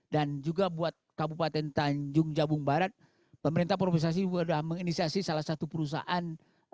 dan juga buat kabupaten tanjung jabung barat pemerintah provinsi sudah menginisiasi salah satu perusahaan